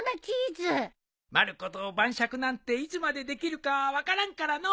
まる子と晩酌なんていつまでできるか分からんからのう。